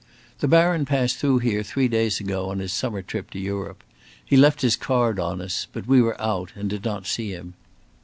The Baron passed through here three days ago on his summer trip to Europe. He left his card on us, but we were out, and did not see him.